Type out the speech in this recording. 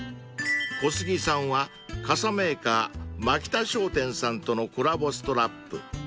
［小杉さんは傘メーカー槙田商店さんとのコラボストラップ］